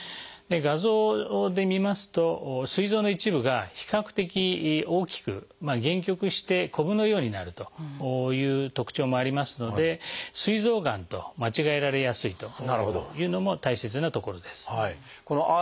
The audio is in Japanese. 画像で見ますとすい臓の一部が比較的大きく限局してこぶのようになるという特徴もありますのですい臓がんと間違えられやすいというのも大切なところです。